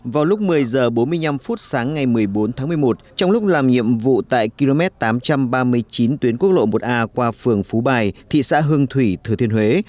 vào lúc một mươi h bốn mươi năm phút sáng ngày một mươi bốn tháng một mươi một trong lúc làm nhiệm vụ tại km tám trăm ba mươi chín tuyến quốc lộ một a qua phường phú bài thị xã hương thủy thừa thiên huế